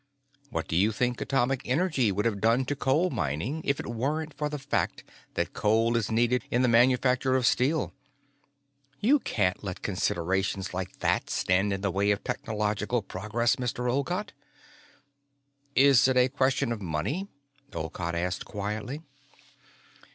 What do you think atomic energy would have done to coal mining if it weren't for the fact that coal is needed in the manufacture of steel? You can't let considerations like that stand in the way of technological progress, Mr. Olcott." "Is it a question of money?" Olcott asked quietly.